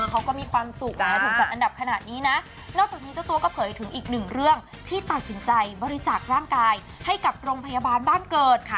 เขาก็มีความสุขนะถูกจัดอันดับขนาดนี้นะนอกจากนี้เจ้าตัวก็เผยถึงอีกหนึ่งเรื่องที่ตัดสินใจบริจาคร่างกายให้กับโรงพยาบาลบ้านเกิด